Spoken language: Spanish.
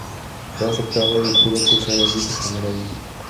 Fue aceptado y pudo cursar allí su primer año.